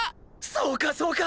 そうかそうか！